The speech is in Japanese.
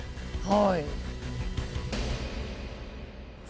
はい。